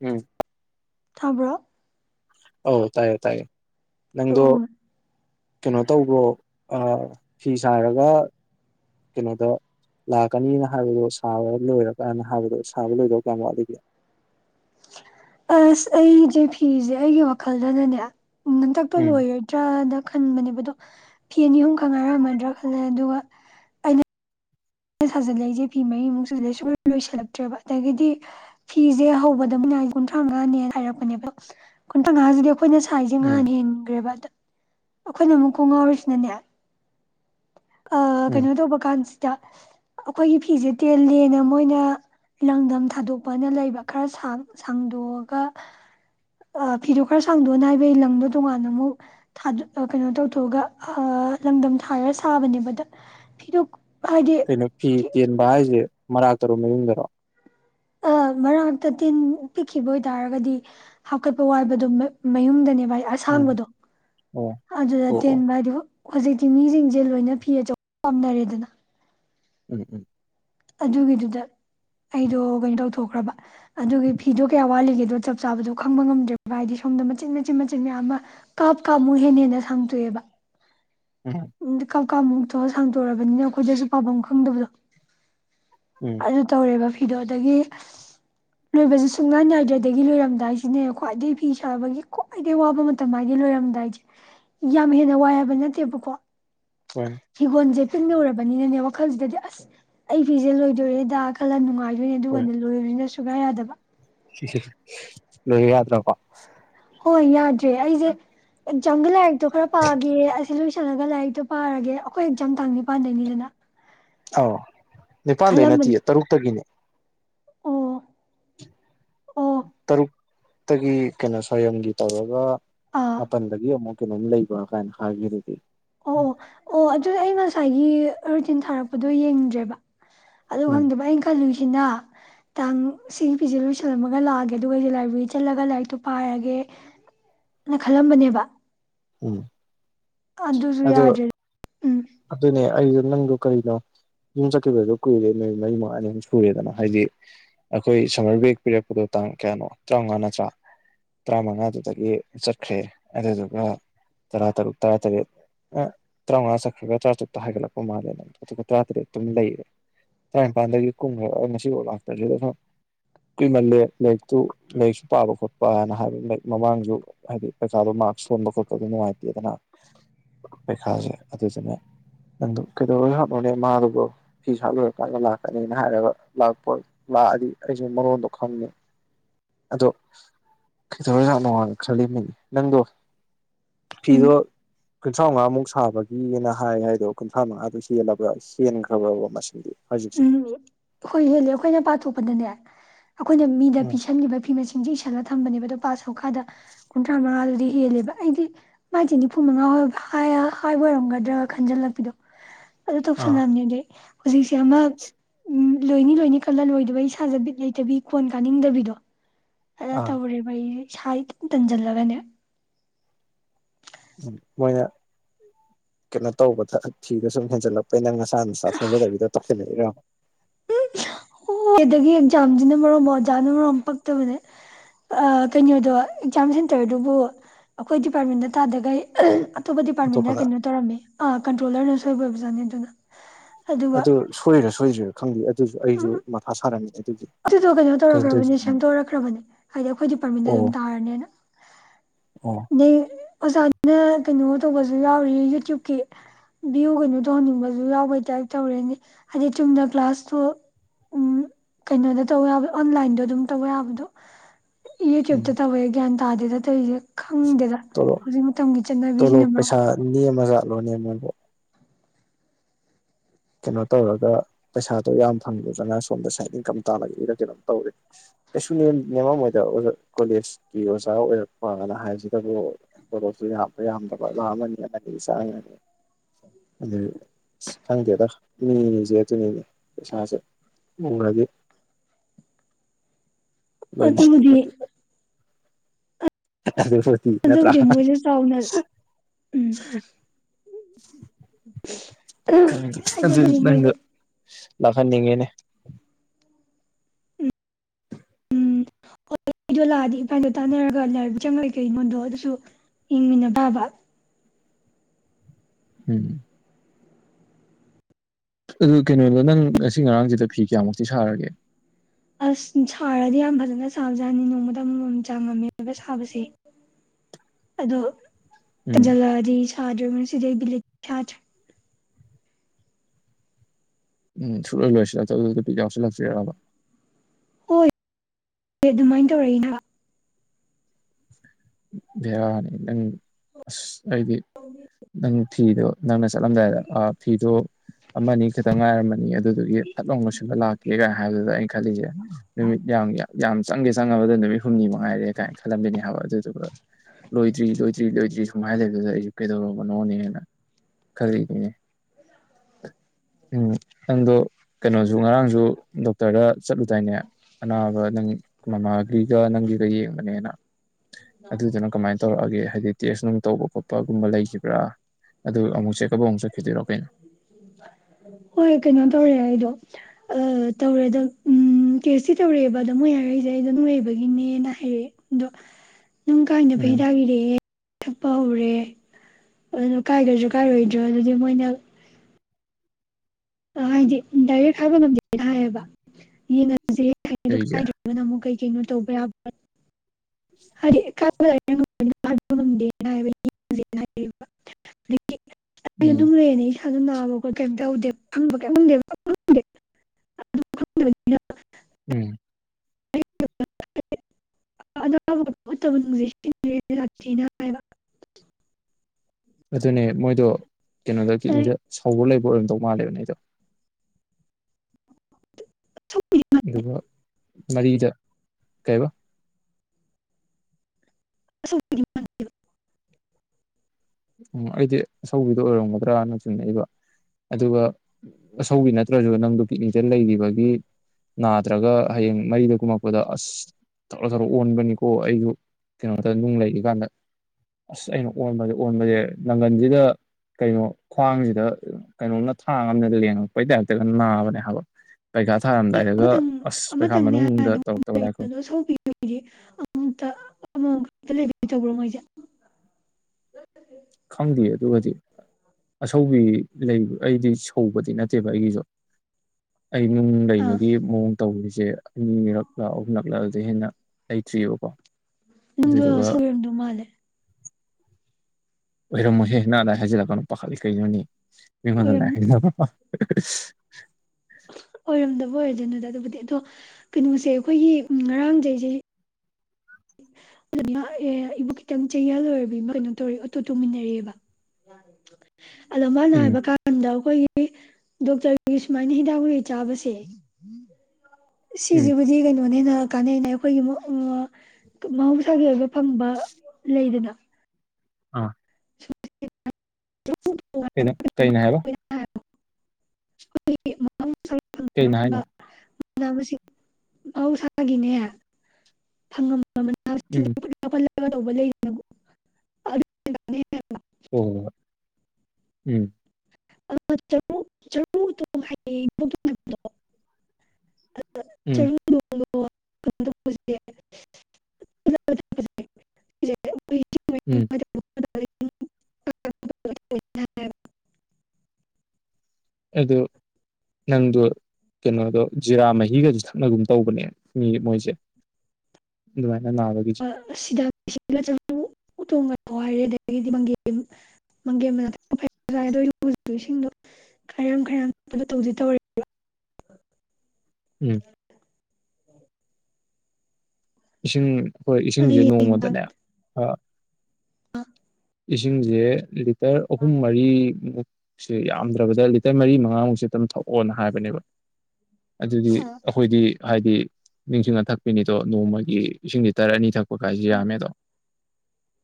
ꯎꯝ ꯊꯥꯕ꯭ꯔꯣ ꯑꯧ ꯇꯥꯏꯌꯦ ꯇꯥꯏꯌꯦ ꯅꯪꯗꯣ ꯎꯝ ꯀꯩꯅꯣ ꯇꯧꯕ꯭ꯔꯣ ꯐꯤ ꯁꯥꯔꯒ ꯀꯩꯅꯣꯗ ꯂꯥꯛꯀꯅꯤꯅ ꯍꯥꯏꯕꯗꯣ ꯁꯥꯕ ꯂꯣꯏꯔꯀꯅ ꯍꯥꯏꯕꯗꯣ ꯁꯥꯕ ꯂꯣꯏꯗꯧꯕ ꯀꯌꯥꯝ ꯋꯥꯠꯂꯤꯒꯦ ꯑꯁ ꯑꯩꯁꯦ ꯐꯤꯁꯦ ꯑꯩꯒꯤ ꯋꯥꯈꯜꯗꯅꯅꯦ [unintelligible] ꯎꯝ ꯂꯣꯏꯔꯗ꯭ꯔ ꯈꯟꯕꯅꯦꯕꯗꯣ ꯐꯤ ꯑꯅꯤ ꯑꯍꯨꯝ ꯈꯛ ꯉꯥꯏꯔꯝꯃꯗ꯭ꯔꯥ ꯈꯜꯂꯦ ꯑꯗꯨꯒ ꯑꯩꯅ ꯁꯥꯖꯤꯜꯂꯛꯏꯁꯦ ꯐꯤ ꯃꯔꯤꯃꯨꯛ ꯁꯨꯜꯂꯦ ꯁ ꯂꯣꯏꯁꯤꯜꯂꯛꯇ꯭ꯔꯦꯕ ꯑꯗꯒꯤꯗꯤ ꯐꯤꯁꯦ ꯍꯧꯕꯗꯃꯤꯅ ꯀꯨꯟꯊ꯭ꯔꯥ ꯃꯉꯥꯅꯦꯅ ꯍꯥꯏꯔꯛꯄꯅꯦꯕ ꯀꯨꯟꯊ꯭ꯔꯥꯉꯁꯤꯗꯤ ꯑꯩꯈꯣꯏꯅ ꯁꯥꯏꯖꯁꯦ ꯎꯝ ꯉꯍꯥꯟ ꯍꯦꯟꯈ꯭ꯔꯦꯕ ꯑꯗ ꯑꯩꯈꯣꯏꯅ ꯑꯃꯨꯛꯀꯣꯡ ꯉꯥꯎꯔꯤꯁꯤꯅꯅꯦ ꯑ ꯎꯝ ꯀꯩꯅꯣ ꯇꯧꯕ ꯀꯥꯟꯁꯦ ꯑꯩꯈꯣꯏꯒꯤ ꯐꯤꯁꯦ ꯇꯦꯜꯂꯦꯅ ꯃꯣꯏꯅ ꯂꯪꯗꯝ ꯊꯥꯗꯣꯛꯄꯅ ꯂꯩꯕ ꯈꯔꯥꯡ ꯁꯥꯡꯗꯣꯛꯑꯒ ꯐꯤꯗꯣ ꯈꯔ ꯁꯥꯡꯗꯣꯛꯑꯅ ꯍꯥꯏꯕꯒꯤ ꯂꯪꯗꯣ ꯇꯣꯉꯥꯟꯅ ꯑꯃꯨꯛ ꯀꯩꯅꯣ ꯇꯧꯊꯣꯛꯑꯒ ꯂꯪꯗꯝ ꯊꯥꯔ ꯁꯥꯕꯅꯦꯕꯗ ꯐꯤꯗꯣ ꯍꯥꯏꯗꯤ ꯀꯩꯅꯣ ꯐꯤ ꯇꯦꯟꯕ ꯍꯥꯏꯁꯦ ꯃꯔꯥꯛꯇꯔꯣ ꯃꯌꯨꯝꯗꯔꯣ ꯑ ꯃꯔꯛꯇ ꯇꯤꯟ ꯄꯤꯛꯈꯤꯕ ꯑꯣꯏꯇꯥꯥꯔꯒꯗꯤ ꯍꯥꯞꯀꯠꯄ ꯋꯥꯏꯕꯗꯣ ꯃꯌꯨꯝꯗꯅꯦꯕ ꯃꯥꯏ ꯎꯝ ꯑꯁꯥꯡꯕꯗꯣ ꯑꯣ ꯑꯗꯨꯗ ꯑꯣ ꯑꯣ ꯇꯦꯟ ꯚꯥꯏꯗꯨ ꯍꯧꯖꯤꯛꯇꯤ ꯃꯤꯁꯤꯡꯁꯦ ꯂꯣꯏꯅ ꯐꯤ ꯑꯆꯧꯕ ꯄꯥꯝꯅꯔꯦꯗꯅ ꯎꯝ ꯎꯝ ꯑꯗꯨꯒꯤꯗꯨꯗ ꯑꯩꯗꯣ ꯀꯩꯅꯣ ꯇꯧꯊꯣꯛꯈ꯭ꯔꯕ ꯑꯗꯨꯒꯤ ꯐꯤꯗꯣ ꯀꯌꯥ ꯋꯥꯠꯂꯤꯒꯦꯗꯣ ꯆꯞ ꯆꯥꯕꯗꯣ ꯈꯪꯕ ꯉꯝꯗ꯭ꯔꯦꯕ ꯍꯥꯏꯗꯤ ꯁꯣꯝꯗ ꯃꯆꯤꯟ ꯃꯆꯤꯟ ꯃꯆꯤꯟ ꯃꯌꯥꯝ ꯑꯃ ꯀꯥꯞ ꯀꯥꯞꯃꯨꯛ ꯍꯦꯟꯅ ꯍꯦꯟꯅ ꯁꯥꯡꯇꯣꯛꯑꯦꯕ ꯎꯝ ꯀ ꯀꯃꯨꯛ ꯊꯣꯛꯑ ꯁꯥꯡꯇꯣꯛꯔꯕꯅꯤꯅ ꯑꯩꯈꯣꯏꯗꯁꯨ ꯄꯥꯐꯝ ꯈꯪꯗꯕꯗꯣ ꯎꯝ ꯑꯗꯨ ꯇꯧꯔꯦꯕ ꯐꯤꯗꯣ ꯑꯗꯒꯤ ꯂꯣꯏꯕꯁꯨ ꯁꯨꯡꯅꯥꯏ ꯅꯥꯏꯗꯦꯗꯒꯤ ꯂꯣꯏꯔꯝꯗꯥꯏꯁꯤꯅꯦ ꯈ꯭ꯋꯥꯏꯗꯒꯤ ꯐꯤ ꯁꯥꯕꯒꯤ ꯈ꯭ꯋꯥꯏꯗꯒꯤ ꯋꯥꯕ ꯃꯇꯝ ꯍꯥꯏꯗꯤ ꯂꯣꯏꯔꯝꯗꯥꯏꯁꯦ ꯌꯥꯝ ꯍꯦꯟꯅ ꯋꯥꯏꯕ ꯅꯠꯇꯦꯕꯀꯣ ꯍꯣꯏ ꯍꯤꯒꯣꯟꯖꯦꯠ ꯊꯤꯟꯗ ꯎꯔꯕꯅꯤꯅꯅꯦ ꯋꯥꯈꯜꯁꯤꯗꯗꯤ ꯑꯁ ꯑꯩ ꯐꯤꯁꯦ ꯂꯣꯏꯗꯣꯏꯔꯦ ꯈꯜꯂ ꯅꯨꯡꯉꯥꯏ ꯑꯗꯨꯒꯅꯦ ꯂꯣꯏꯕꯁꯤꯅ ꯁꯨꯛꯌ ꯌꯥꯗꯕ ꯂꯣꯏꯒꯦ ꯌꯥꯗ꯭ꯔꯕꯣ ꯍꯣꯏ ꯌꯥꯗ ꯗ꯭ꯔꯦ ꯑꯩꯁꯦ ꯑꯦꯛꯖꯥꯝꯒꯤ ꯂꯥꯏꯔꯤꯛꯇꯣ ꯈꯔ ꯄꯥꯒꯦ ꯑꯁꯤ ꯂꯣꯏꯁꯜꯂꯒ ꯂꯥꯏꯔꯤꯛꯇꯣ ꯄꯥꯔꯒꯦ ꯑꯩꯈꯣꯏ ꯑꯦꯛꯖꯥꯝ ꯇꯥꯡ ꯅꯤꯄꯥꯟꯗꯩꯩꯅꯤꯗꯅ ꯑꯧ ꯅꯤꯄꯥꯟꯗꯩ ꯅꯠꯇꯤꯌꯦ ꯇꯔꯨꯛꯇꯒꯤꯅꯦ ꯑꯣ ꯑꯣ ꯇꯔꯨꯛꯇꯒꯤ ꯀꯩꯅꯣ ꯁ꯭ꯋꯥꯌꯝꯒꯤ ꯇꯧꯔꯒ ꯑꯥ ꯃꯥꯄꯟꯗꯒꯤ ꯑꯃꯨꯛ ꯀꯩꯅꯣꯝ ꯂꯩꯕ ꯀꯥꯏꯅ ꯍꯥꯏꯈꯤꯗꯨꯗꯤ ꯑꯣ ꯑꯣ ꯑꯗꯨ ꯑꯗꯨ ꯑꯩ ꯉꯁꯥꯏꯒꯤ ꯔꯨꯇꯤꯟ ꯊꯥꯔꯛꯄꯗꯣ ꯌꯦꯡꯗ꯭ꯔꯦꯕ ꯑꯗꯨ ꯎꯝ ꯈꯪꯗꯦꯕ ꯑꯩꯅ ꯈꯜꯂꯨꯏꯁꯤ ꯁꯤꯅ ꯇꯥꯡ ꯁꯤꯒꯤ ꯐꯤꯖꯦ ꯂꯣꯏꯁꯜꯂꯝꯃꯒ ꯂꯥꯛꯑꯒꯦ ꯑꯗꯨꯒ ꯑꯩꯁꯦ ꯂꯥꯏꯕ꯭ꯔꯦꯔꯤ ꯆꯠꯂꯒ ꯂꯥꯏꯔꯤꯛꯇꯣ ꯄꯥꯏꯔꯒꯦꯅ ꯈꯜꯂꯝꯕꯅꯦꯕ ꯎꯝ ꯑꯗꯨꯁꯨ ꯌꯥꯗ꯭ꯔꯦ ꯎꯝ ꯑꯩꯗꯣ ꯅꯪꯗꯣ ꯀꯔꯤꯅꯣ ꯌꯨꯝ ꯆꯠꯈꯤꯕꯗꯣ ꯀꯨꯏꯔꯦ ꯅꯨꯃꯤꯠ ꯃꯔꯤ ꯃꯉꯥ ꯑꯅꯤ ꯃꯨꯛ ꯁꯨꯔꯦꯗꯅ ꯍꯥꯏꯗꯤ ꯑꯩꯈꯣꯏ ꯁꯝꯃꯔ ꯕꯦꯒ ꯄꯤꯔꯛꯄꯗꯣ ꯇꯥꯡ ꯀꯌꯥꯅꯣ ꯇꯔꯥꯃꯉꯥ ꯅꯠꯇ꯭ꯔꯥ ꯇꯔꯥꯃꯉꯥꯗꯨꯗꯒꯤ ꯆꯠꯈ꯭ꯔꯦ ꯑꯗꯨꯗꯨꯒ ꯇꯔꯥ ꯇꯔꯨꯛ ꯇꯔꯥ ꯇꯔꯦꯠ ꯇꯔꯥꯃꯉꯥ ꯈꯒ ꯇꯔꯥꯇꯔꯨꯛꯇ ꯍꯥꯏꯒꯠꯂꯛꯄ ꯃꯥꯜꯂꯦꯅ ꯑꯗꯨꯒ ꯇꯔꯥꯇꯔꯦꯠꯇ ꯑꯗꯨꯝ ꯂꯩꯔꯦ ꯇꯔꯥꯅꯤꯄꯥꯟꯗꯒꯤ ꯀꯨꯝꯈ꯭ꯔꯒ ꯉꯁꯤꯐꯥꯎ ꯂꯥꯛꯇ꯭ꯔꯁꯤꯗ ꯀꯨꯏꯃꯜꯂꯦ ꯂꯥꯏꯔꯤꯛꯇꯨ ꯂꯥꯏꯔꯤꯛꯁꯨ ꯄꯥꯕ ꯈꯣꯠꯄꯅ ꯍꯥꯏꯕ ꯂꯥꯏꯔꯤꯛ ꯃꯃꯥꯡꯁꯨ ꯍꯥꯏꯗꯤ ꯄꯩꯈꯥꯗꯣ ꯃ꯭ꯔꯥꯛꯁ ꯁꯣꯟꯕ ꯈꯣꯠꯄꯗ ꯅꯨꯡꯉꯥꯏꯇꯦꯗꯅ ꯄꯩꯈꯥꯁꯦ ꯑꯗꯨꯗꯁꯨꯅꯦ ꯅꯪꯗꯣ ꯀꯩꯗꯧꯔꯦ ꯍꯪꯉꯣꯅꯦ ꯃꯥꯗꯨꯕꯨ ꯐꯤ ꯁꯥꯂꯣꯏꯔꯀꯥꯟꯗ ꯂꯥꯛꯀꯅꯤꯅ ꯍꯥꯏꯔꯒ ꯂꯥꯛꯄ ꯂꯥꯛꯑꯗꯤ ꯑꯩꯁꯨ ꯃꯔꯣꯟꯗꯣ ꯈꯪꯉꯦ ꯑꯗꯣ ꯀꯩꯗꯧꯔꯖꯥꯠꯅꯣ ꯍꯥꯏꯅ ꯈꯜꯂꯤꯕꯅꯤ ꯅꯪꯗꯣ ꯎꯝ ꯐꯤꯗꯣ ꯀꯟꯊ꯭ꯔꯥꯉꯃꯨꯛ ꯁꯥꯕꯒꯤ ꯃꯤꯅ ꯍꯥꯏ ꯍꯥꯏꯗꯣ ꯀꯨꯟꯊ꯭ꯔꯥꯃꯉꯥꯗꯣ ꯍꯦꯜꯂꯕ ꯍꯦꯟꯈ꯭ꯔꯕꯕ ꯃꯁꯤꯡꯗꯤ ꯍꯧꯖꯤꯛꯁꯦ ꯎꯝ ꯍꯣꯏ ꯍꯦꯜꯂꯦ ꯑꯩꯈꯣꯏꯅ ꯄꯥꯊꯣꯛꯄꯗꯅꯦ ꯑꯩꯈꯣꯏꯅ ꯃꯤꯗ ꯎꯝ ꯄꯤꯁꯟꯒꯤꯕ ꯐꯤ ꯃꯁꯤꯡ ꯏꯗꯤꯏꯁꯤꯜ ꯂꯒ ꯊꯝꯕꯅꯦ ꯑꯗꯣ ꯄꯥꯁ [unintelligible] ꯗ ꯀꯨꯟꯊ꯭ꯔꯥ ꯃꯉꯥꯗꯨꯗꯤ ꯍꯦꯜꯂꯦꯕ ꯑꯩꯗꯤ ꯃꯥꯏꯁꯦ ꯅꯤꯐꯨ ꯃꯉꯥ ꯍꯏꯔ ꯍꯥꯏꯕ ꯑꯣꯏꯔꯝꯒꯗ꯭ꯔꯥ ꯈꯟꯖꯤꯜꯂꯛꯄꯤꯗꯣ ꯑꯗꯨꯗ ꯑꯥ ꯇꯧꯁꯜꯂꯝꯃꯦ ꯗꯤ ꯍꯧꯖꯤꯛꯁꯦ ꯑꯃ ꯂꯣꯏꯅꯤ ꯂꯣꯏꯅꯤ ꯈꯜꯂꯛ ꯂꯣꯏꯗꯕꯩ ꯏ ꯁꯥꯖꯦ ꯕꯤꯠ ꯂꯩꯇꯕꯤ ꯀꯣꯟ ꯀꯥꯅꯤꯡꯗꯕꯤꯗꯣ ꯑꯗꯨ ꯑꯥ ꯇꯧꯔꯦꯕ ꯑꯩꯁꯦ ꯏꯁꯥ ꯏꯇꯟ ꯇꯟꯁꯤꯜꯂꯒꯅꯦ ꯎꯝ ꯃꯣꯏꯅ ꯀꯩꯅꯣ ꯇꯧꯕꯗ ꯐꯤꯗ ꯁꯨꯝ ꯍꯦꯟꯖꯜꯂꯛꯄ ꯑꯩꯩꯅ ꯅꯪ ꯅꯁꯥꯅ [unintelligible] ꯊꯣꯟꯖꯗꯕꯤꯗꯣ ꯇꯧꯁꯤꯜꯂꯛꯏꯔꯣ꯫ ꯎ ꯍ ꯑꯗꯨꯗꯒꯤ ꯑꯦꯛꯖꯥꯝꯗꯨꯅ ꯃꯔꯣꯝ ꯑꯃ ꯑꯣꯖꯥꯅ ꯃꯔꯣꯝ ꯄꯛꯇꯕꯅꯦ ꯀꯩꯅꯣꯗꯣ ꯑꯦꯛꯖꯥꯝ ꯁꯦꯟꯇꯔꯗꯨꯕꯨ ꯑꯩꯈꯣꯏ ꯗꯤꯄꯥꯔꯠꯃꯦꯟꯗ ꯇꯥꯗꯒꯩ ꯑꯇꯣꯞꯄ ꯗꯤꯄꯥꯔꯃꯦꯟꯗ ꯑꯇꯣꯞꯄꯗ ꯀꯩꯅꯣ ꯇꯧꯔꯝꯃꯦ ꯑꯥ ꯀꯟꯇ꯭ꯔꯣꯂꯔꯅ ꯁꯣꯏꯕ ꯑꯣꯏꯕꯖꯥꯠꯅꯤ ꯑꯗꯨꯅ ꯑꯗꯨꯒ ꯑꯗꯨ ꯁꯣꯏꯔꯤꯔ ꯁꯣꯏꯗꯤꯔ ꯈꯪꯗꯦ ꯑꯗꯨꯁꯨ ꯑꯩꯁꯨ ꯎꯝ ꯃꯊꯥ ꯁꯥꯔꯝꯃꯤꯖꯦ꯫ ꯑꯗꯨꯗꯣ ꯀꯩꯅꯣ ꯇꯧꯔꯛꯈ꯭ꯔꯕꯅꯦ ꯁꯦꯝꯗꯣꯔꯛꯈ꯭ꯔꯕꯅꯦ ꯍꯥꯏꯗꯤ ꯑꯩꯈꯣꯏ ꯗꯤꯄꯥꯔꯠꯃꯦꯟꯗ ꯑꯣ ꯑꯗꯨꯝ ꯇꯥꯔꯅꯤꯅ ꯑꯣ ꯑꯣꯖꯥꯗꯨꯅ ꯀꯩꯅꯣ ꯇꯧꯕꯁꯨ ꯌꯥꯎꯔꯤ ꯌꯨꯇ꯭ꯌꯨꯕꯀꯤ ꯚꯤꯌꯨ ꯀꯩꯅꯣ ꯇꯧꯍꯟꯅꯤꯡꯕꯁꯨ ꯌꯥꯎꯕꯒꯤ ꯇꯥꯏꯞ ꯇꯧꯔꯦꯅꯦ ꯍꯥꯏꯗꯤ ꯆꯨꯝꯅ ꯀ꯭ꯂꯥꯁꯇꯣ ꯎꯝ ꯀꯩꯅꯣꯗ ꯇꯧꯕ ꯌꯥꯕꯗꯣ ꯑꯣꯟꯂꯥꯏꯟꯗꯣ ꯑꯗꯨꯝ ꯇꯧꯕ ꯌꯥꯕꯗꯣ ꯎꯝ ꯌꯨꯇ꯭ꯌꯨꯕꯇ ꯇꯧꯌꯦ ꯒ꯭ꯌꯥꯟ ꯇꯥꯗꯦ ꯇꯥꯗꯦꯗ ꯇꯧꯏꯖꯦ ꯈꯪꯗꯦꯗ ꯇꯣꯂꯣꯞ ꯍꯧꯖꯤꯛ ꯃꯇꯝꯒꯤ ꯆꯠꯅꯕꯤꯁꯤꯅ ꯃꯔꯣꯜ ꯑꯃ ꯐ [unintelligible] [unintelligible] ꯀꯩꯅꯣ ꯇꯧꯔꯒ ꯄꯩꯁꯥꯗꯣ ꯌꯥꯝ ꯐꯪꯗꯗꯅ ꯁꯣꯝꯗ ꯁꯥꯏꯠ ꯏꯟꯀꯝ ꯇꯥꯂꯛ ꯏꯔ ꯀꯩꯅꯣꯝ ꯇꯧꯔꯦ ꯀꯩꯁꯨ ꯅꯦꯝꯃꯝꯣꯏꯗ ꯀꯣꯂꯦꯖꯀꯤ ꯑꯣꯖꯥ ꯑꯣꯏꯔꯛꯄꯅ ꯍꯥꯏꯕꯁꯤꯗꯕꯨ ꯇꯣꯂꯣꯞꯁꯨ ꯌꯥꯝꯕ ꯌꯥꯝꯗꯕ ꯂꯥ ꯑꯃꯅꯤ ꯑꯃꯅꯤꯆꯥꯔꯝꯒꯅꯤ ꯑꯗꯨ ꯈꯪꯗꯦꯗ [unintelligible] ꯑꯗꯨꯅꯤꯅꯦ ꯄꯩꯁꯥꯁꯦ [unintelligible] ꯑꯗꯨꯕꯨꯗꯤ ꯂꯣꯏꯅꯁꯤꯠꯄꯗꯤ ꯅꯠꯇ꯭ꯔꯥ ꯑꯗꯨꯕꯨꯗꯤ ꯃꯣꯏꯁꯨꯦ ꯆꯥꯎꯅ ꯎꯝ ꯑꯗꯨ ꯒꯤ ꯃꯣꯏꯁ ꯂꯥꯛꯍꯟꯅꯤꯡꯉꯦꯅꯦ ꯎꯝ ꯑꯣ ꯑꯩꯗꯣ ꯂꯥꯛꯑꯗꯤ ꯏꯕꯥꯅꯤꯗ ꯇꯥꯟꯅꯔꯒ ꯂꯥꯏ ꯆꯪꯉꯛꯏ ꯀꯩꯅꯣ ꯑ [unintelligible] ꯑꯗꯨꯁꯨ ꯌꯦꯡꯃꯤꯟꯅꯇꯥꯕ ꯎꯝ ꯑꯗꯣ ꯀꯩꯅꯣꯗꯣ ꯅꯪ ꯉꯁꯤ ꯉꯔꯥꯡꯁꯤꯗ ꯐꯤ ꯀꯌꯥꯝꯃꯨꯛꯇꯤ ꯁꯥꯔꯒꯦ꯫ ꯑꯁ ꯁꯥꯔꯗꯤ ꯌꯥꯝ ꯐꯖꯅ ꯁꯥꯕꯖꯥꯠꯅꯤ ꯅꯣꯡꯃꯗ ꯑꯃꯃꯝ ꯆꯥꯡꯉꯝꯃꯦꯕ ꯁꯥꯕꯁꯦ ꯑꯗꯣ ꯎꯝ ꯇꯟꯖꯜꯂꯥꯛꯑꯗꯤ ꯁꯥꯗ꯭ꯔꯉꯥꯁꯤꯗꯤ ꯕꯤꯠꯂꯩ ꯁꯥꯗ꯭ꯔꯦ ꯎꯝ ꯁꯨꯛꯂꯣꯏ ꯂꯣꯏꯁꯤꯜ ꯂꯛꯇꯕ ꯑꯗꯨꯗ ꯕꯤꯠ ꯌꯥꯎꯁꯤꯜ ꯂꯥꯛꯇ꯭ꯔꯤ ꯔꯕ ꯍꯣꯏ ꯑꯗꯨꯃꯥꯏꯅ ꯇꯧꯔꯛꯏꯅꯦ ꯍꯥꯏꯕ ꯕꯦꯔꯥꯅꯤ ꯅꯪ ꯑꯁ ꯑꯩꯗꯤ ꯅꯪ ꯐꯤꯗꯣ ꯅꯪꯅ ꯆꯠꯂꯝꯗꯥꯏꯗ ꯐꯤꯗꯣ ꯑꯃꯅꯤ ꯑ ꯈꯈꯤꯛꯇꯪ ꯆꯠꯂꯝꯗꯥꯏꯗ ꯑꯥ ꯐꯤꯗꯣ ꯑꯃꯅꯤ ꯈꯇꯥ ꯉꯥꯏꯔꯝꯃꯅꯤ ꯑꯗꯨꯗꯨꯒꯤ ꯐꯠꯂꯣꯎ ꯂꯣꯏꯁꯤꯟꯂ ꯂꯥꯛꯀꯦ ꯀꯥꯏꯅ ꯍꯥꯏꯕꯗꯨꯗ ꯑꯩꯅ ꯈꯜꯂꯤꯁꯦ ꯅꯨꯃꯤꯠ ꯌꯥꯝ ꯌꯥꯝ ꯆꯪꯒꯦ ꯆꯪꯉꯕꯗꯣ ꯅꯨꯠ ꯍꯨꯝꯅꯤ ꯃꯉꯥꯏꯔꯦ ꯀꯥꯏꯅ ꯈꯜꯂꯝꯕꯅꯤ ꯍꯥꯏꯕ ꯑꯗꯨꯗꯤ ꯑꯗꯨꯒ ꯂꯣꯏꯗ꯭ꯔꯤ ꯂꯣꯏꯗ꯭ꯔꯤ ꯂꯣꯏꯗ꯭ꯔꯤ ꯁꯨꯃꯥꯏꯅ ꯂꯩꯕꯗ ꯑꯩꯁꯨ ꯀꯩꯗꯧꯔꯕꯅꯣꯅꯦꯅ ꯈꯜꯂꯛꯏꯅꯦ ꯎꯝ ꯅꯪꯗꯣ ꯀꯩꯅꯣꯁꯨ ꯉꯔꯥꯡꯁꯨ ꯗꯣꯛꯇꯔꯗ ꯆꯠꯂꯨꯗꯥꯏꯅꯦ ꯑꯅꯥꯕ ꯅꯪ ꯃꯃꯥꯒꯤꯒ ꯅꯪꯒꯤꯒ ꯌꯦꯡꯕꯅꯦꯅ ꯑꯗꯨꯗꯨꯅ ꯀꯃꯥꯏꯅ ꯇꯧꯔꯛꯑꯒꯦ ꯍꯥꯏꯗꯤ ꯇꯦꯁ ꯅꯨꯡ ꯇꯧꯕ ꯈꯣꯠꯄꯒꯨꯝꯕ ꯂꯩꯈꯤꯕ꯭ꯔꯥ ꯑꯗꯨꯒ ꯑꯃꯨꯛ ꯆꯦꯛꯑꯞ ꯑꯃꯨꯛ ꯆꯠꯈꯤꯗꯔꯣꯑꯣ ꯀꯩꯅꯣ꯫ ꯍꯣꯏ ꯀꯩꯅꯣ ꯇꯧꯔꯦ ꯑꯩꯗꯣ ꯇꯧꯔꯦ ꯑꯗ ꯎꯝ ꯀꯦꯁꯇꯤ ꯇꯧꯔꯛꯑꯦꯕ ꯑꯗ ꯃꯣꯏ ꯍꯥꯏꯔꯛꯏꯁꯦ ꯑꯩꯗꯣ ꯅꯨꯡ ꯂꯩꯕꯒꯤꯅꯦꯅ ꯍꯥꯏꯔꯛꯑꯦ ꯑꯗꯣ꯫ ꯅꯨꯡ ꯀꯥꯏꯅ ꯎꯝ ꯐꯩꯗꯥꯕꯤꯔꯦ ꯊꯛꯄ ꯍꯧꯔꯦ ꯑꯗꯨꯅ ꯀꯥꯏꯗꯣꯏꯗ꯭ꯔꯣ ꯀꯥꯏꯔꯣꯏꯗ꯭ꯔꯣ ꯑꯗꯨꯗꯤ ꯃꯣꯏꯅ꯫ ꯑ ꯍꯥꯏꯗꯤ ꯗꯥꯏꯔꯦꯛ ꯍꯥꯏꯕ ꯉꯝꯗꯦꯅ ꯍꯥꯏꯌꯦꯕꯉ ꯍꯧꯖꯤꯛ ꯍꯦꯛ ꯊꯣ ꯀꯩꯒꯤ ꯀꯥꯏꯗ꯭ꯔꯔꯤꯕꯅ ꯑꯃꯨꯛ ꯀꯩ ꯀꯩꯅꯣ ꯇꯧꯕ ꯌꯥꯕ꯭ꯔꯥ ꯍꯥꯏꯔꯀꯦ ꯀ ꯑꯗꯨ ꯑ ꯍꯥꯏꯕꯥ ꯉꯝꯗꯦꯅ ꯍꯥꯏꯔꯛꯏꯕ ꯑꯩ ꯎꯝ ꯑꯗꯨꯝ ꯂꯩꯅꯦ꯫ ꯑꯗꯨ ꯅꯥꯕ ꯀꯩꯝ ꯇꯧꯗꯦ ꯈꯪꯕ ꯀꯩꯝ ꯈꯪꯗꯦꯅꯤꯅ ꯎꯝ꯫ ꯋꯥꯄꯇꯅ ꯁꯤꯟ ꯔ ꯆꯤꯅ ꯍꯥꯏ꯫ ꯑꯗꯨꯅꯦ ꯃꯣꯏꯗꯣ ꯀꯩꯅꯣꯗ ꯀꯤꯛꯅꯤꯗ ꯁꯥꯎꯧꯕ ꯂꯩꯕ ꯑꯣꯏꯔꯝ ꯇꯧ ꯃꯥ ꯂꯩꯕꯅꯦꯗꯣ꯫ ꯑꯗꯨꯒ꯫ ꯃꯔꯤꯗ ꯀꯩꯔꯤꯕ ꯁꯛꯇꯔꯤꯃ ꯎꯝ ꯑꯩꯗꯤ ꯑꯁꯧꯕꯤꯗꯣ ꯑꯣꯏꯔꯝꯒꯗ꯭ꯔꯅ ꯆꯤꯡꯅꯩꯕ ꯑꯗꯨꯒ ꯑꯁꯧꯕꯤ ꯅꯠꯇ꯭ꯔꯁꯨ ꯅꯪꯗꯨ ꯀꯤꯠꯅꯤꯛꯗ ꯂꯩꯔꯤꯕꯈꯤꯕꯒꯤ ꯅꯥꯗ꯭ꯔꯒ ꯍꯌꯦꯡ ꯃꯔꯤꯗ ꯀꯨꯝꯃꯛꯄꯗ ꯑꯁ ꯊꯧꯔ ꯊꯧꯔ ꯑꯣꯟꯕꯅꯤꯀꯣ ꯑꯩꯁꯨ ꯀꯩꯅꯣꯗ ꯅꯨꯡ ꯂꯩꯔꯤꯀꯥꯟꯗ ꯑꯁ ꯑꯩꯅ ꯑꯣꯟꯕꯗ ꯑꯣꯟꯕꯁꯦ ꯅꯪꯒꯟꯁꯤꯗ ꯀꯩꯅꯣ ꯈ꯭ꯋꯥꯡꯁꯤꯗ ꯀꯩꯅꯣꯝꯅ ꯊꯥꯡ ꯑꯃꯗ ꯂꯦꯡꯉꯛꯄꯩ ꯇꯥꯏꯞꯇꯒ ꯅꯥꯕꯅꯦ ꯍꯥꯏꯕ꯫ ꯄꯩꯈꯥ ꯊꯥꯔꯝꯗꯥꯏꯗꯒ ꯑꯃꯇꯪ ꯑꯁ ꯄꯩꯈꯥ ꯑꯃꯇꯪꯅꯦ ꯃꯅꯨꯡꯗ ꯇꯧꯔꯛꯇꯕ ꯍꯥꯏ ꯂꯥꯏ ꯈꯨꯔꯨꯝ ꯑꯁꯧꯕꯤꯗꯤ ꯑꯃꯨꯛꯇ ꯑꯃ ꯆꯕ꯭ꯔꯣꯝ ꯃꯣꯏꯁꯦ ꯈꯪꯗꯦ ꯑꯗꯨꯒꯗꯤ꯫ ꯑꯁꯧꯕꯤ ꯂꯩꯕ ꯑꯩꯗꯤ ꯁꯧꯕꯗꯤ ꯅꯠꯇꯦꯕ ꯑꯩꯒꯤꯁꯨ꯫ ꯑꯩ ꯅꯨꯡ ꯑꯥ ꯂꯩꯕꯒꯤ ꯃꯑꯣꯡ ꯇꯧꯔꯤꯁꯦ ꯁꯦ ꯑꯅꯤꯔꯛ ꯂꯛꯂꯥ ꯑꯍꯨꯝ ꯂꯛꯂꯥ ꯑꯗꯨꯗꯩꯩ ꯍꯦꯟꯅ ꯂꯩꯇ꯭ꯔꯤꯑꯕꯀꯣ ꯅꯪꯗꯨ ꯑꯗꯨꯗꯨꯒ ꯁꯣꯑꯣꯏꯔꯝꯗꯣ ꯃꯥꯂꯦ꯫ ꯑꯣꯏꯔꯝꯃꯣꯏꯍꯦ ꯅꯪ ꯑꯗꯥꯏ ꯍꯥꯏꯖꯜꯂꯛꯀꯅꯨ ꯄꯥꯈꯠꯂꯤ ꯀꯩꯅꯣꯅꯦ꯫ ꯑꯩ ꯃꯗ ꯑꯦꯁ ꯑꯣꯏꯔꯝꯗꯕ ꯑꯣꯏꯔꯗꯅꯨꯗ ꯑꯗꯨꯕꯨꯗꯤ ꯑꯗꯣ ꯀꯩꯅꯣꯁꯦ ꯑꯩꯈꯣꯏꯒꯤ ꯉꯔꯥꯡꯖꯩꯁꯦ ꯑꯗꯨ ꯑꯦ ꯑꯩꯕꯨ ꯈꯤꯇꯪ ꯆꯌꯥꯜ ꯑꯣꯏꯕꯤ ꯀꯩꯅꯣ ꯇꯧ ꯑꯣꯇꯣ ꯇꯧꯃꯤꯟꯅꯔꯤꯑꯕ ꯑꯗꯃ ꯎꯝ ꯅꯥꯏꯕ ꯀꯥꯟꯗ ꯑꯩꯈꯣꯏꯒꯤ ꯗꯣꯛꯇꯔꯒꯤ ꯁꯨꯃꯥꯏꯅ ꯍꯤꯗꯥꯛ ꯂꯨꯏ ꯆꯥꯕꯁꯦ ꯎꯝ ꯁꯤꯁꯤꯕꯨꯗꯤ ꯀꯩꯅꯣꯅꯤꯅ ꯀꯥꯟꯅꯩꯩꯅ ꯑꯩꯈꯣꯏꯒꯤ ꯃꯍꯧꯁꯥꯒꯤ ꯑꯣꯏꯕ ꯐꯪꯕ ꯂꯩꯗꯅ ꯑꯥ ꯀꯩꯅꯣ ꯀꯩꯅꯣ ꯍꯥꯏꯕ ꯑꯩ ꯀꯩꯅꯣ ꯍꯥꯏꯅꯣ ꯅꯥ ꯃꯁꯤꯡ ꯃꯍꯧꯁꯥꯒꯤꯅꯦ ꯐꯉ ꯎꯝ [inaudible] ꯇꯧꯕ ꯂꯩꯗꯅꯀꯣ ꯑꯣ ꯎꯝ ꯨ ꯆꯔꯨ ꯎꯝ ꯑ ꯆꯠ [inaudible] ꯎꯝ [inaudible] ꯑꯗꯨ ꯅꯪꯗꯣ ꯀꯩꯅꯣꯗꯣ ꯖꯤꯔꯥ ꯃꯍꯤꯒꯁꯨ ꯊꯛꯅꯒꯨꯝ ꯇꯧꯕꯅꯦ ꯃꯤ ꯃꯣꯏꯁꯦ ꯑꯗꯨꯃꯥꯏꯅ ꯅꯥꯕꯒꯤꯖꯦ ꯁꯤꯗ ꯏꯁꯤꯡꯗ ꯆꯣꯡ ꯍꯥꯏꯔꯦ ꯑꯗꯨꯗꯒꯤꯗꯤꯪꯒꯦꯝ ꯃꯪꯒꯦꯝꯖꯤꯛ ꯏꯁꯤꯡꯗꯣ ꯈꯔ ꯈꯥꯏꯔ ꯇ ꯇꯧꯔ ꯎꯝ ꯏꯁꯤꯡ ꯍꯣꯏ ꯑꯗꯨ ꯏꯁꯤꯡꯁꯦ ꯅꯣꯡꯃꯗꯅꯦ ꯑ ꯑ ꯏꯁꯤꯡꯁꯦ ꯂꯤ ꯇꯔ ꯑꯍꯨꯝ ꯃꯔꯤꯔꯤ ꯁꯤ ꯌꯥꯝꯗ꯭ꯔꯕꯗ ꯂꯤꯇꯔ ꯃꯔꯤ ꯃꯉꯥꯃꯨꯛꯁꯦ ꯑꯗꯨꯝ ꯊꯣꯛꯑꯣꯅ ꯍꯥꯏꯕꯅꯦꯕ ꯑꯗꯨꯗꯤ ꯑꯥ ꯑꯩꯈꯣꯏꯗꯤ ꯍꯥꯏꯗꯤ ꯅꯤꯡꯁꯤꯡꯉ ꯊꯛꯄꯤꯅꯤꯗꯣ ꯅꯣꯡꯃꯒꯤ ꯂꯤꯁꯤꯡꯁꯦ ꯇꯔꯥ ꯑꯅꯤ ꯊꯛꯄ ꯍꯣꯏ ꯀꯥꯏꯃꯦꯗ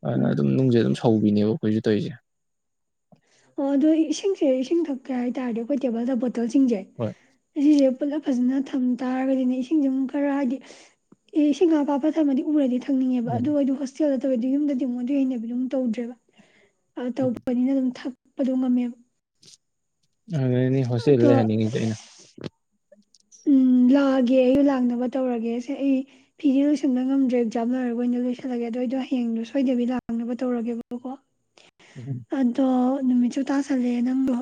ꯑꯗꯨꯅ ꯎꯝ ꯑꯗꯨꯝ ꯅꯨꯡꯁꯦ ꯑꯗꯨꯝ ꯊꯧꯕꯤꯅꯦꯕ ꯑꯩꯈꯣꯏꯁꯨ ꯇꯧꯔꯤꯁꯦ ꯑꯣ ꯑꯗꯨꯣ ꯏꯁꯤꯡꯁꯦ ꯏꯁꯤꯡ ꯊꯛꯀꯦ ꯍꯥꯏꯇꯥꯥꯔꯗꯤ ꯑꯩꯈꯣꯏ ꯇꯦꯕꯜꯗꯄꯣꯠ ꯀꯜꯁꯤꯡꯁꯦ ꯍꯣꯏ ꯑꯁꯤꯁꯦ ꯄꯨꯂꯞ ꯐꯖꯅ ꯊꯝ ꯇꯥꯔꯒꯗꯤꯅꯦ ꯏꯁꯤꯡꯁꯦ ꯑꯃꯨꯛ ꯈꯔ ꯍꯥꯏꯗꯤ ꯑꯦ ꯏꯁꯤꯡ ꯑ ꯑꯄꯥꯄ ꯊꯝꯃꯗꯤ ꯎꯔꯗꯤ ꯈꯪꯅꯤꯡꯉꯦꯕ ꯎꯝ ꯑꯗꯨ ꯑꯣꯗꯣ ꯍꯣꯁꯇꯦꯜꯗ ꯌꯨꯝꯗꯗꯤ ꯑꯃꯨꯛ ꯑꯗꯨꯏ ꯍꯩꯅꯕꯤꯗꯣ ꯇꯧꯗ꯭ꯔꯦꯕ ꯎꯝ ꯇꯧꯕꯅꯤꯅ ꯑꯗꯨꯝ ꯊꯛ ꯎꯄꯗꯧ ꯉꯝꯃꯦꯕ ꯑꯅꯤ ꯍꯣꯁꯇꯦꯜꯗ ꯑꯗꯣ ꯂꯩꯍꯜꯅꯤꯡꯉꯤꯁꯦ ꯑꯩꯅ ꯎꯝ ꯂꯥꯛꯑꯒꯦ ꯑꯩ ꯂꯥꯛꯅꯕ ꯇꯧꯔꯒꯦꯁꯦ ꯑꯩ ꯐꯤꯗꯤꯦ ꯂꯣꯏꯁꯟꯕ ꯉꯝꯗ꯭ꯔꯦ ꯑꯦꯛꯖꯥꯝ ꯂꯣꯏꯔꯒ ꯑꯣꯏꯅ ꯂꯣꯏꯁꯤꯜꯂꯒꯦ ꯑꯗꯨꯗꯏꯗꯣ ꯍꯌꯦꯡꯗꯣ ꯁꯣꯏꯗꯕꯤ ꯂꯥꯛꯅꯕ ꯇꯧꯔꯒꯦꯕꯀꯣ ꯎꯝ ꯑꯗꯣ ꯅꯨꯃꯤꯠꯁꯨ ꯇꯥꯁꯜꯂꯦ ꯅꯪꯗꯣ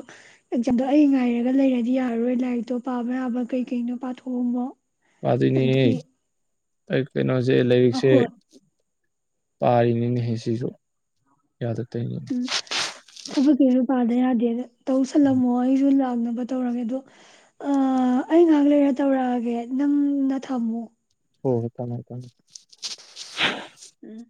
ꯑꯦꯛꯖꯥꯝꯗꯣ ꯑꯩ ꯉꯥꯏꯔꯒ ꯂꯩꯔꯗꯤ ꯌꯥꯔꯔꯣꯏ ꯂꯥꯏꯔꯤꯛꯇꯣ ꯄꯥꯕ ꯌꯥꯕ ꯀꯩ ꯀꯩꯅꯣ ꯄꯥꯊꯣꯛꯑꯕꯣ ꯄꯗꯣꯏꯅꯦ ꯇꯥꯏ ꯀꯩꯅꯣ ꯖꯤꯛ ꯂꯥꯏꯔꯤꯛꯁꯦ ꯑꯍꯣꯏ ꯄꯥꯔꯅꯤꯅꯤ ꯍꯦ ꯁꯤꯁꯨ ꯌꯥꯗ ꯇꯣꯏꯅꯤꯅꯦ ꯎꯝ ꯊꯕꯛ ꯂꯩ ꯌꯥꯗꯦ ꯑꯗꯨ ꯇꯧꯁꯜꯂꯝꯃꯣ ꯑꯩꯁꯨ ꯂꯥꯛꯑ ꯀ ꯇꯧꯔꯒꯦ ꯑꯗꯣ ꯑ ꯑꯩ ꯉꯥꯏꯍꯥꯛ ꯂꯩꯔ ꯇꯧꯔꯛꯑꯒꯦ ꯅꯪꯅ ꯊꯝꯃꯨ ꯍꯣ ꯊꯃꯦ ꯊꯃꯦ ꯎꯝ